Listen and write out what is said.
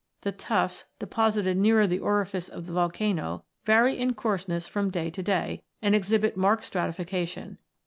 The tuffs, deposited nearer the orifice of the volcano, vary in coarseness from day to day, and exhibit niarked stratification.